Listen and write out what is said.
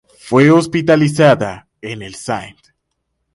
Fue hospitalizada en el St.